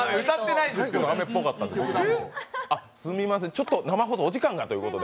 すみません、生放送、お時間がということで。